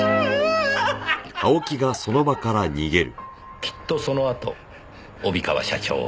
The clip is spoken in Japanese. きっとそのあと帯川社長は。